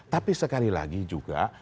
tapi sekali lagi juga